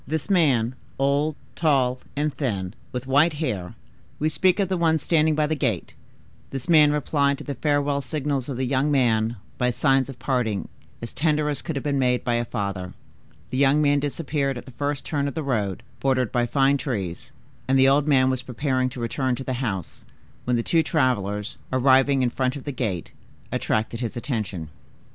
This man, old, tall, and thin, with white hair,—we speak of the one standing by the gate;—this man replied to the farewell signals of the young one by signs of parting as tender as could have been made by a father. The young man disappeared at the first turn of the road, bordered by fine trees, and the old man was preparing to return to the house, when the two travelers, arriving in front of the gate, attracted his attention.